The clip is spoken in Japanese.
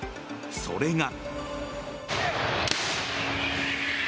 それが。